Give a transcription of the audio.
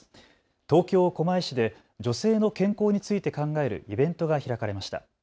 東京狛江市で女性の健康について考えるイベントが開かれました。